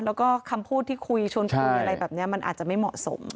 แล้วก็คำพูดที่คุยชวนคุยอะไรแบบนี้มันอาจจะไม่เหมาะสม